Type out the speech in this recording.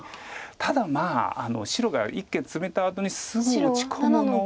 ただまあ白が一間にツメたあとにすぐ打ち込むのは。